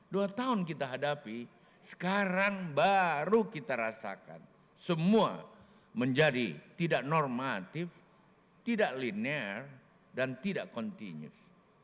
dua tahun kita hadapi sekarang baru kita rasakan semua menjadi tidak normatif tidak linear dan tidak kontinus